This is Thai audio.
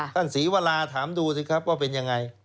ข้างสีวัลาถามดูสิครับว่าเป็นอย่างไร